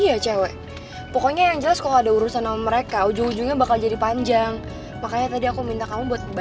yee ini anak demen banget sih bolak balik ketemu dia